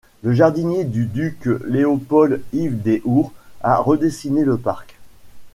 Le jardinier du duc Léopold, Yves des Hours, a redessiné le parc.